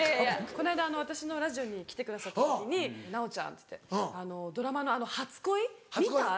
この間私のラジオに来てくださった時に奈央ちゃんドラマの「初恋」見た？